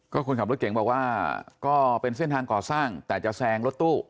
คนขับรถเก่งบอกว่าก็เป็นเส้นทางก่อสร้างแต่จะแซงรถตู้